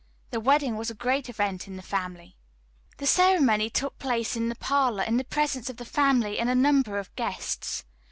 The wedding was a great event in the family. The ceremony took place in the parlor, in the presence of the family and a number of guests.